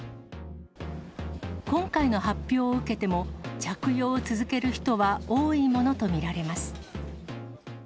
今回の発表を受けても、着用を続ける人は多いものと見られます。